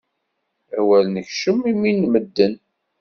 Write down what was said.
Awer nekcem imi n medden!